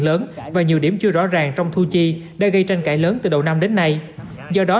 lớn và nhiều điểm chưa rõ ràng trong thu chi đã gây tranh cãi lớn từ đầu năm đến nay do đó